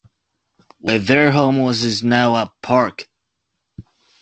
Where their home was is now a park.